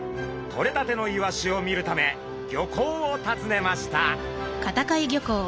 とれたてのイワシを見るため漁港を訪ねました。